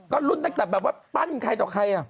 ก็ลุ้นแต่ปั้นใครต่อใคร